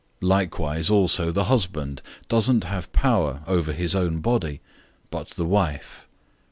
Likewise also the husband doesn't have authority over his own body, but the wife.